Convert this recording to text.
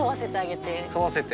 沿わせて。